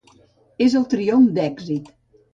És el triomf d'èxit.